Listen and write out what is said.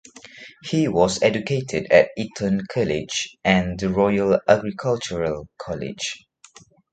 He was educated at Eton College and the Royal Agricultural College.